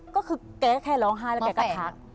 ก็คือแกแค่ร้องไห้แล้วแกก็ทัก